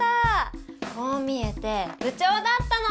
こう見えてぶちょうだったの！